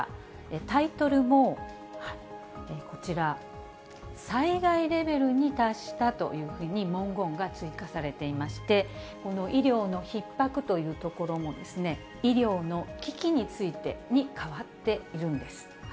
タイトルもこちら、災害レベルに達したというふうに、文言が追加されていまして、この医療のひっ迫というところも、医療の危機についてに変わっているんです。